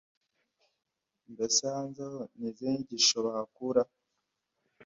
Mbese hanze aho ni izihe nyigisho bahakura?